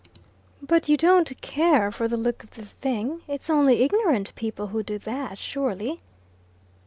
"But you don't care for the look of the thing. It's only ignorant people who do that, surely."